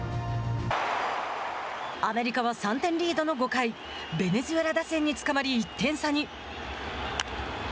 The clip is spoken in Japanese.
アメリカは３点リードの５回ベネズエラ打線につかまり１点差に。